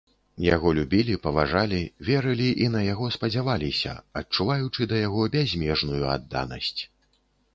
Яго любілі, паважалі, верылі і на яго спадзяваліся, адчуваючы да яго бязмежную адданасць.